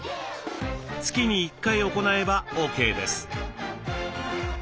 月に１回行えばＯＫです。